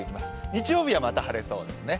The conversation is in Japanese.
日曜日は、また晴れそうですね。